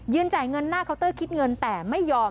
จ่ายเงินหน้าเคาน์เตอร์คิดเงินแต่ไม่ยอม